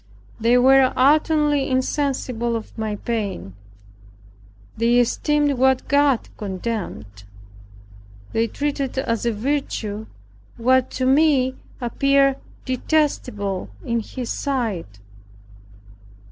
They were utterly insensible of my pain. They esteemed what God condemned. They treated as a virtue what to me appeared detestable in His sight.